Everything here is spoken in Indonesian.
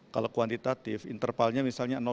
kalau kuantitatif intervalnya misalnya